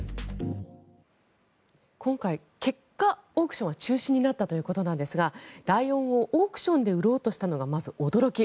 今回結果、オークションは中止になったということなんですがライオンをオークションで売ろうとしたのがまず驚き。